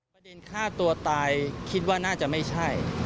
ฆ่าตัวตายคิดว่าน่าจะไม่ใช่